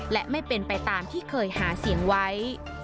และไม่เป็นไปตามที่เคยหาเสียงไว้